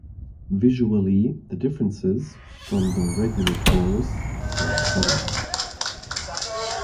Visually, the differences from the regular Taurus are subtle.